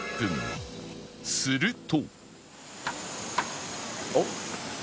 すると